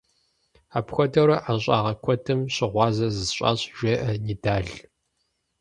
- Апхуэдэурэ ӀэщӀагъэ куэдым щыгъуазэ зысщӀащ, - жеӀэ Нидал.